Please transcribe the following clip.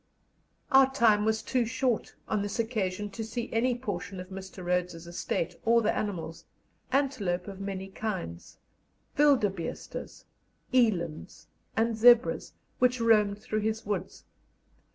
Our time was too short on this occasion to see any portion of Mr. Rhodes's estate or the animals antelope of many kinds, wildebeestes, elands, and zebras which roamed through his woods.